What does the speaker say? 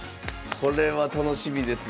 これは楽しみですねえ。